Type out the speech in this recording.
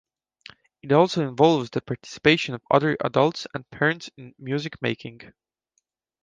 It also involves the participation of other adults and parents in music making.